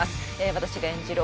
私が演じる